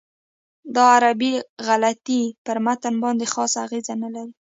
دا عربي غلطۍ پر متن باندې خاصه اغېزه نه لري.